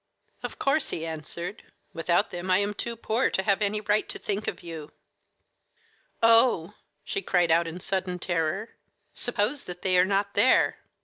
"Of course," he answered. "Without them I am too poor to have any right to think of you." "Oh," she cried out in sudden terror, "suppose that they are not there!"